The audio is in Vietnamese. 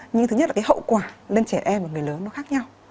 nhưng thứ nhất là cái hậu quả lên trẻ em và người lớn nó khác nhau